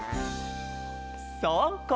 そうこれ！